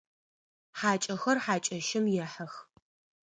Хьакӏэхэр хьакӏэщым ехьэх.